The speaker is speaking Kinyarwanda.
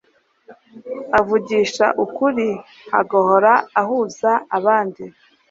akavugisha ukuri agahora ahuza abandi